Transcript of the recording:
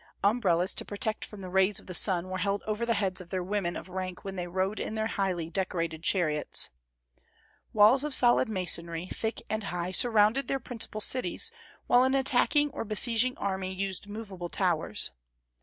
Umbrellas to protect from the rays of the sun were held over the heads of their women of rank when they rode in their highly decorated chariots. Walls of solid masonry, thick and high, surrounded their principal cities, while an attacking or besieging army used movable towers.